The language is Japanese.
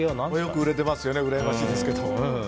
よく売れてますよねうらやましいですけど。